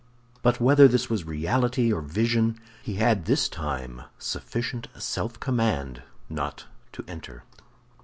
But whether this was reality or vision, he had this time sufficient self command not to enter.